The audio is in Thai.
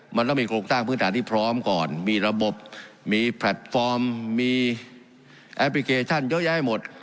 มันต้องมีโครงสร้างพื้นฐานที่พร้อมก่อนมีระบบมีแพลตฟอร์มมีแอปพลิเคชันเยอะแยะให้หมด